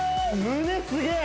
胸すげえ！